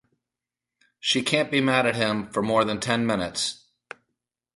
She can’t be mad at him for more than ten minutes.